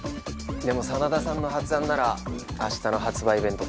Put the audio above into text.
でも真田さんの発案なら明日の発売イベント